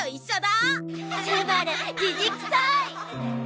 昴じじくさい！